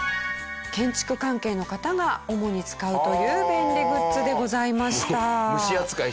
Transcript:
建築関係の方が主に使うという便利グッズでございました。